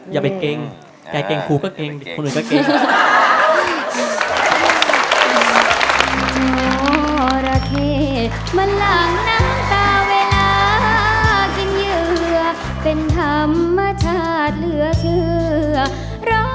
อย่าไปเกร็งแกเกร็งครูก็เกร็งคนอื่นก็เกร็ง